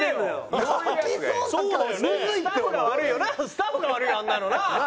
スタッフが悪いよあんなのな。